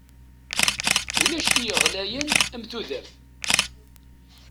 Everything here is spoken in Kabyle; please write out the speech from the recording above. Ulac i iɣlayen am tudert.